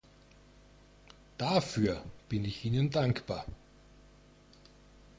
Dafür bin ich Ihnen dankbar.